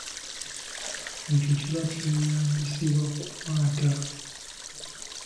Ekyo kiba kyeyambisibwa kuwaata.